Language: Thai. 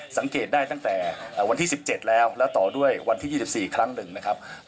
สังเกตได้ตั้งแต่วันที่๑๗แล้วแล้วต่อด้วยวันที่๒๔ครั้งหนึ่งนะครับ